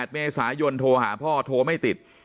๘เมษายนโทรหาพ่อโทรไม่ติด